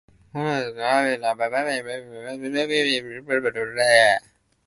母は兄許り贔負にして居た。此兄はやに色が白くつて、芝居の真似をして女形になるのが好きだつた。